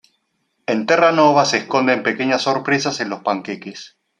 En Terranova se esconden pequeñas sorpresas en los panqueques.